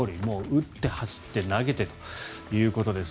打って走って投げてということです。